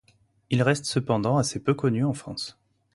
Il reste cependant assez peu connu en France.